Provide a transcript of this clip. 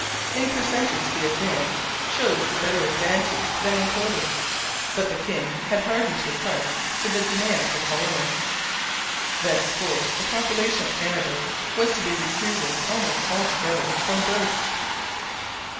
In percentage the advance shows to better advantage than in totals, but the king had hardened his heart to the demand for colonists. Thenceforth the population of Canada was to be recruited almost altogether from births.